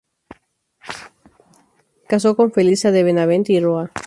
Casó con Felisa de Benavente y Roa.